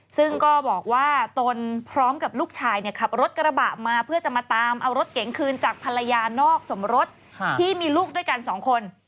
ซึ่งก็บอกว่าตนพร้อมกับลูกชายขับรถกระบะมาเพื่อจะมาตามเอารถเก๋งคืนจากภรรยานอกสมรสที่มีลูกด้วยกันสองคน